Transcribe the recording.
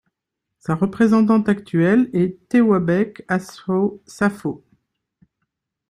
Sa représentante actuelle est Tewabech Asfaw Safo.